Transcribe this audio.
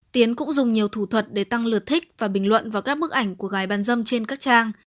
tiến cũng dùng nhiều thủ thuật để tăng lượt thích và bình luận vào các bức ảnh của gái bán dâm trên các trang